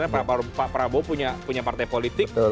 pak prabowo punya partai politik